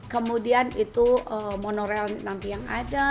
kemudian itu monorail nanti yang ada